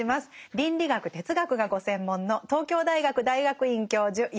倫理学哲学がご専門の東京大学大学院教授山本芳久さんです。